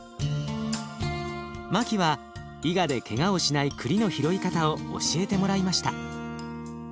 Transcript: マキはいがでけがをしないくりの拾い方を教えてもらいました。